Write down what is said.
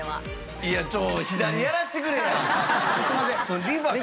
いやちょっ左やらせてくれや！